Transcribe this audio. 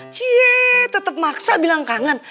ciee tetep maksa bilang kangen